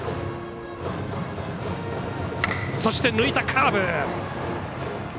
そして抜いたカーブ。